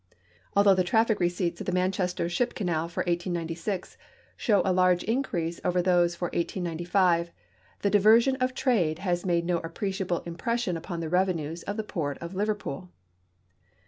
Although the traffic receipts of the Manchester ship canal for 189(5 show a large increase over those for 1895, the diversion of trade has made no appreciable impression upon the revenues of the port of Liverpool.